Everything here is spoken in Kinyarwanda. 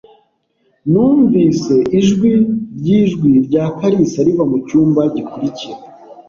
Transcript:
Numvise ijwi ryijwi rya kalisa riva mucyumba gikurikira.